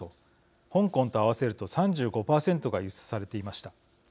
香港と合わせると３５％が輸出されていました。